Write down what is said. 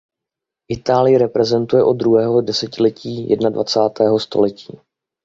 Itálii reprezentuje od druhého desetiletí jednadvacátého století.